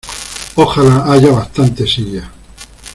Ojalá haya bastantes sillas.